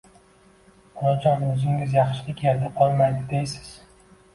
Onajon o‘zingiz yaxshilik yerda qolmaydi deysiz.